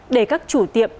để các chủ tiệm